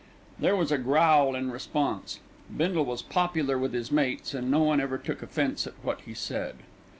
There was a growl in response. Bindle was popular with his mates, and no one ever took offence at what he said.